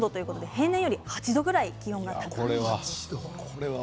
平年より８度ぐらい高いんです。